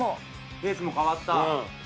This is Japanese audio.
ペースも変わった。